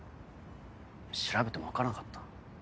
調べても分からなかった。